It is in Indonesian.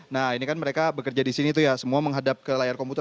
nah ini kan mereka bekerja di sini tuh ya semua menghadap ke layar komputer